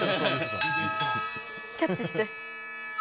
キャッチして。